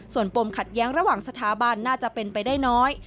ส่วนปมขัดแย้งระหว่างสถาบันน่าจะเป็นไปได้น้อย